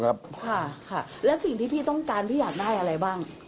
ค่ะค่ะแล้วสิ่งที่พี่ต้องการพี่อยากได้อะไรบ้าง